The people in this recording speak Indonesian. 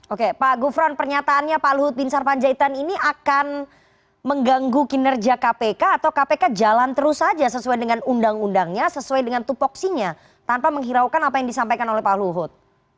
oke pak gufron pernyataannya pak luhut bin sarpanjaitan ini akan mengganggu kinerja kpk atau kpk jalan terus saja sesuai dengan undang undangnya sesuai dengan tupoksinya tanpa menghiraukan apa yang disampaikan oleh pak luhut